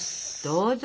どうぞ。